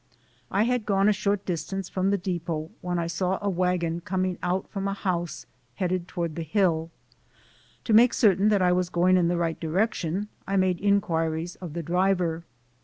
I had gone a short distance from the depot when I saw a wagon coming out from a house, headed toward the hill. To make certain that I was going in the right direc tion I made inquiries of the driver.